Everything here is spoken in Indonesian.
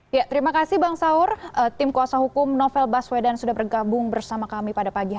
ya terima kasih bang saur tim kuasa hukum novel baswedan sudah bergabung bersama kami pada pagi hari ini